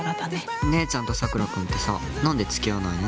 お姉ちゃんと佐倉君ってさ何で付き合わないの？